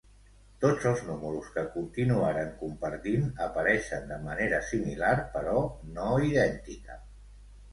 Tots els números que continuaren compartint apareixen de manera similar, però no idèntica.